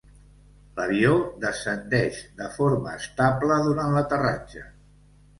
L'avió descendeix de forma estable durant l'aterratge.